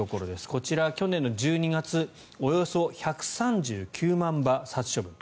こちら、去年１２月およそ１３９万羽殺処分。